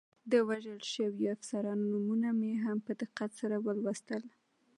د وژل شویو افسرانو نومونه مې هم په دقت سره ولوستل.